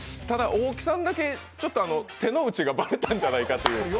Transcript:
ただ大木さんだけ、ちょっと手のうちがバレたんじゃないかという。